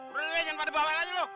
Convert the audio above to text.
udah deh jangan pada bawel aja lu